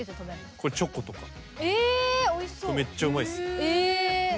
これめっちゃうまいっすよ。